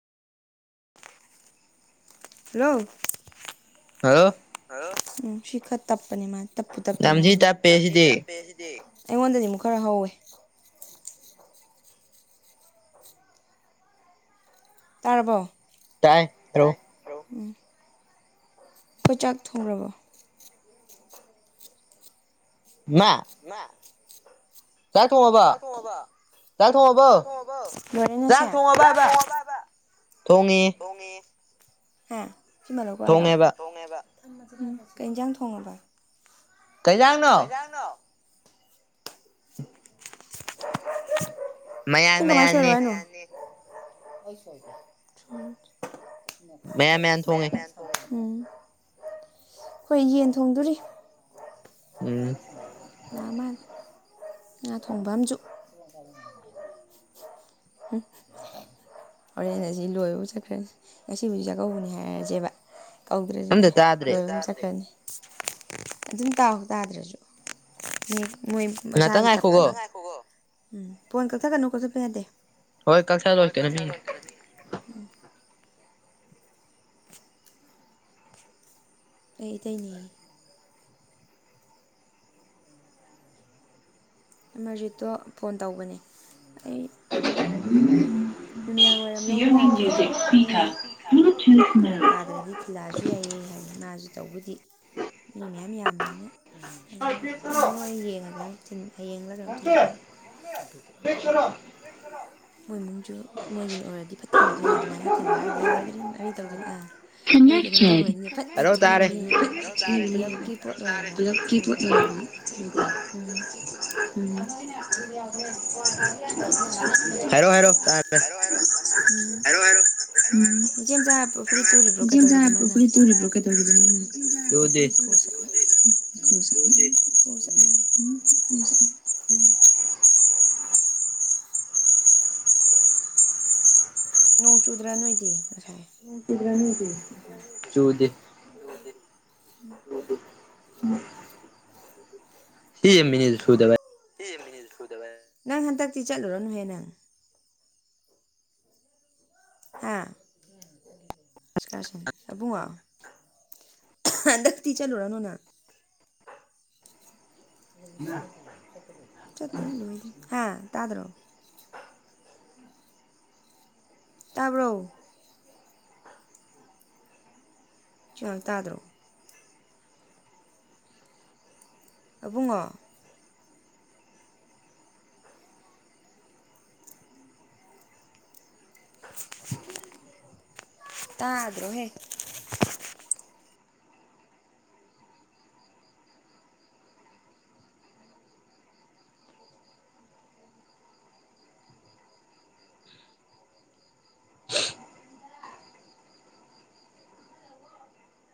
hello hello hello ꯎꯝ ꯁꯤꯈ ꯇꯞꯄꯅꯤ ꯃꯥ ꯇꯞꯄꯨ ꯇꯞꯇꯦꯅ ꯌꯥꯝ ꯊꯤ ꯅꯪꯉꯣꯟꯗꯗꯤ ꯇꯞꯄꯦ ꯌꯥꯝ ꯊꯤ ꯁꯤꯗꯤ ꯇꯞꯄꯦ ꯁꯤꯗꯤ ꯑꯩꯉꯣꯟꯗꯗꯤ ꯃꯨꯛ ꯈꯔ ꯍꯧꯋꯦ ꯇꯥꯔꯕꯣ ꯇꯥꯏ ꯎꯝ ꯈꯣꯏ ꯆꯥꯛ ꯊꯣꯡꯒ꯭ꯔꯕꯣ ꯏꯃꯥ ꯏꯃꯥ ꯆꯥꯛ ꯊꯣꯡꯉꯕꯣ ꯆꯥꯛ ꯊꯣꯡꯉꯕꯣ ꯆꯥꯛ ꯊꯣꯡꯉꯕꯣ ꯂꯣꯏꯔꯦꯅꯦ ꯁꯦ ꯆꯥꯛ ꯊꯣꯡꯉꯕꯣ ꯍꯥꯏꯕ ꯊꯣꯡꯉꯦ ꯊꯣꯡꯉꯤꯌꯦ ꯍꯥ ꯁꯤ ꯃꯜꯂꯛꯈꯣ ꯍꯥꯏꯔꯣ ꯊꯣꯡꯉꯦꯕ ꯊꯣꯡꯉꯦꯕ ꯑ ꯀꯩ ꯏꯟꯖꯥꯡ ꯊꯣꯡꯉꯕ ꯀꯩ ꯏꯟꯖꯥꯡꯅꯣ ꯁꯤ ꯃꯌꯥꯟ ꯀꯃꯥꯏꯅ ꯃꯌꯥꯟꯅꯤ ꯁꯣꯏꯔꯛꯑꯣ ꯍꯥꯏꯅꯣ ꯃꯌꯥꯟ ꯊꯣꯡꯉꯦ ꯃꯌꯥꯟ ꯃꯌꯥꯟ ꯎꯝ ꯈꯣꯏ ꯌꯦꯟ ꯊꯣꯡꯗꯨꯔꯤ ꯎꯝ ꯂꯥꯛꯑ ꯃꯥꯟꯅꯦ ꯉꯥ ꯊꯣꯡꯕ ꯑꯃꯖꯨ ꯍꯝ ꯍꯣꯔꯦꯟ ꯑꯁꯤ ꯂꯣꯏꯕꯒ ꯆꯠꯈ꯭ꯔꯅꯤ ꯉꯁꯤꯕꯨꯗꯤ ꯆꯥꯛꯀꯧꯕꯅꯤ ꯍꯥꯏꯔꯁꯦꯕ ꯀꯥꯎꯗ꯭ꯔꯗꯤ ꯑꯝꯇ ꯑꯦ ꯇꯥꯗ꯭ꯔꯦ [unintelligible] ꯑꯗꯨꯝ ꯇꯥꯎ ꯇꯥꯗ꯭ꯔꯁꯨ ꯃꯤ ꯃꯣꯏ ꯉꯥꯛꯇꯪ ꯃꯁꯥꯒꯤ ꯉꯥꯏꯈꯣꯀꯣ ꯇꯞꯄꯅꯦ ꯎꯝ ꯐꯣꯟ ꯀꯛꯊꯠꯀꯅꯨ ꯀꯛꯊꯠꯄ ꯌꯥꯗꯦ ꯍꯣꯏ ꯀꯛꯊꯠꯂꯣꯏ ꯀꯩꯅꯣꯝ ꯌꯦꯡꯒꯦ ꯀꯩꯅꯣꯝ ꯌꯦꯡꯒꯦ ꯎꯝ ꯑꯩ ꯏꯇꯩꯅꯦꯌꯦ [inaudible] ꯑꯃꯔꯖꯤꯠꯇꯣ ꯐꯣꯟ ꯇꯧꯕꯅꯦ ꯑꯩ ꯅꯨꯃꯤꯗꯥꯡ ꯋꯥꯏꯔꯝ ꯂꯧꯕ ꯍꯥꯏꯔꯣ ꯂꯥꯛꯀꯦ ꯑꯗꯣ ꯅꯣꯏ ꯐꯔꯛ ꯇꯥꯗ꯭ꯔꯗꯤ ꯂꯥꯛꯑꯖꯨ ꯌꯥꯏꯌꯦ ꯍꯥꯏꯕꯅꯦ ꯃꯥꯖꯨ ꯇꯧꯕꯨꯗꯤ ꯃꯤ ꯃꯌꯥꯝ ꯌꯥꯝꯕꯅꯤꯅ [unintelligible] ꯍꯌꯦꯡꯂ ꯀꯩꯅꯣꯝ [unintelligible] ꯃꯣꯏ ꯏꯃꯨꯡꯁꯨ ꯃꯣꯏꯒꯤꯅ ꯑꯣꯏꯔꯗꯤ ꯐꯠ ꯃꯣꯏ ꯏꯃꯨꯡꯖꯨ ꯃꯣꯏꯒꯤ ꯑꯣꯏꯔꯗꯤ ꯐꯠ ꯊꯤꯟꯈꯤꯗꯣꯏꯅꯦ ꯑꯗꯨꯃꯥꯏꯅ ꯊꯤꯜꯂꯣ ꯍꯥꯏꯔꯗꯤ ꯌꯥꯔꯣꯏꯗꯨꯏꯅꯤ ꯃꯔꯩ ꯇꯧꯗꯅ ꯑꯥ ꯃꯣꯏ ꯀꯩꯅꯣꯝ ꯇꯧꯕꯒꯤꯗꯤꯅꯦ ꯐꯠ ꯇꯥꯔꯦ ꯆꯠꯅꯕꯤꯅꯦꯕꯀꯣ ꯄꯨꯂꯞꯀꯤ ꯄꯣꯠ ꯑꯣꯏꯔꯕ [unintelligible] ꯎꯝ ꯎꯝ ꯍꯥꯏꯔꯣ ꯍꯥꯏꯔꯣ ꯇꯥꯔꯦ ꯍꯥꯏꯔꯣ ꯍꯥꯏꯔꯣ ꯎꯝ ꯍꯥꯏꯔꯣ ꯍꯥꯏꯔꯣ ꯎꯝ ꯏꯆꯦꯝꯆꯥ ꯄꯨ ꯐꯨꯔꯤꯠ ꯇꯨꯔꯤꯕ꯭ꯔꯣ ꯏꯆꯦ ꯀꯩꯗꯧꯔꯤꯕ ꯃꯆꯥ ꯃꯥꯅ ꯐꯨꯔꯤꯠ ꯇꯨꯔꯤꯕ꯭ꯔꯣ ꯀꯩꯗꯧꯔꯤꯕꯅꯣ ꯃꯥꯅ ꯏꯀꯣ ꯆꯠꯂꯦ ꯆꯨꯗꯦ [unintelligible] [unintelligible] ꯅꯣꯡ ꯆꯨꯗ꯭ꯔꯥ [unintelligible] ꯅꯣꯡ ꯆꯨꯕ꯭ꯔꯥ ꯅꯣꯏꯗꯤ ꯆꯨꯗꯦ ꯆꯨꯗꯦ [inaudible] ꯎꯝ ꯁꯤꯖꯦ ꯃꯤꯅꯠ ꯁꯨꯗꯕꯩ ꯁꯤꯖꯦ ꯃꯤꯅꯠ ꯁꯨꯗꯕꯩ ꯅꯪ ꯍꯟꯗꯛꯇꯤ ꯆꯠꯂꯨꯔꯅꯨꯍꯦ ꯅꯪ ꯍꯥ ꯑꯦꯛꯁꯀꯥꯔꯁꯟ ꯑꯕꯨꯡꯉꯣ ꯍꯟꯗꯛꯇꯤ‌ ꯆꯠꯂꯨꯔꯅꯨ ꯅꯪ [unintelligible] ꯆꯠꯇ꯭ꯔꯤ ꯂꯣꯏꯗ꯭ꯔꯤ ꯍꯥ ꯇꯥꯗꯔꯣ ꯇꯥꯕ꯭ꯔꯣ ꯁꯤ ꯑꯉꯥꯡꯖꯦ ꯇꯥꯗ꯭ꯔꯣ ꯑꯕꯨꯡꯉꯣ ꯇꯗ꯭ꯔꯣꯍꯦ